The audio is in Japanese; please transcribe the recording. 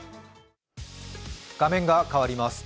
画面が変わります。